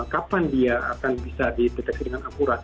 kapan dia akan bisa dideteksi dengan akurat